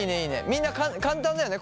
みんな簡単だよね？